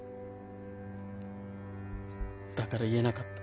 だから言えなかった。